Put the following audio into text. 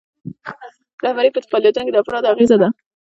رهبري په فعالیتونو د افرادو اغیزه ده.